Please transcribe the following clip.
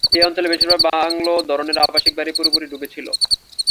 এই অঞ্চলের বেশিরভাগ বাংলো ধরনের আবাসিক বাড়ি পুরোপুরি ডুবে ছিল।